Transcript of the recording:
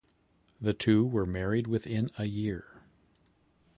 The two were married within a year.